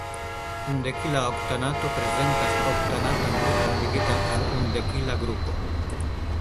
Undekila oktanato prezentas oktanatan grupon ligitan al undekila grupo.